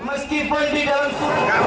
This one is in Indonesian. meskipun di dalam suruh